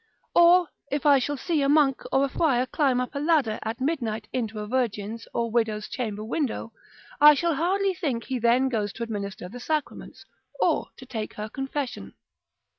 Or if I shall see a monk or a friar climb up a ladder at midnight into a virgin's or widow's chamber window, I shall hardly think he then goes to administer the sacraments, or to take her confession.